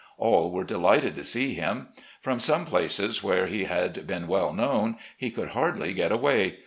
All were delighted to see him. From some places where he had been well known he could hardly get away.